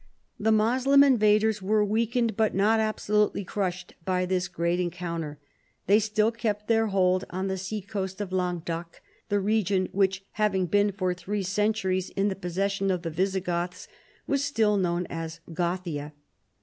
The Moslem invaders were weakened, but not ab solutely crushed by this great encounter. They still kept their hold on the sea coast of Languedoc, the reo:ion which havins^ been for three centuines in the possession of the Visigoths was still known as Gothia.